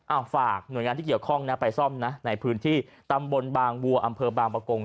ฝากหน่วยงานที่เกี่ยวข้องนะไปซ่อมนะในพื้นที่ตำบลบางวัวอำเภอบางประกง